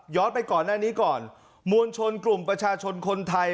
ไปก่อนหน้านี้ก่อนมวลชนกลุ่มประชาชนคนไทย